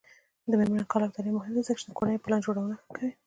د میرمنو کار او تعلیم مهم دی ځکه چې کورنۍ پلان جوړونه ښه کوي.